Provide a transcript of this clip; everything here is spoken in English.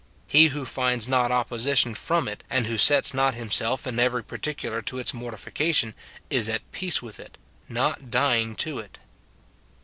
He who finds not opposition from it, and who sets not himself in every particular to its mortification, is at peace with it, not dying to it.